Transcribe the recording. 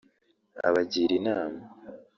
abagira inama